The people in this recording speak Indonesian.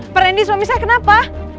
pak rendy suami saya kenapa